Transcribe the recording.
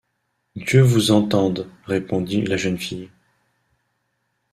Dieu vous entende! répondit la jeune fille.